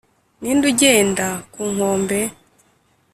ninde ugenda ku nkombe,